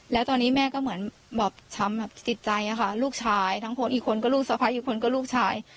แล้วตอนนี้แม่ก็เหมือนบอบช้ำแบบติดใจค่ะลูกชายทั้งคนอีกคนก็ลูกสะพ้ายอีกคนก็ลูกชาย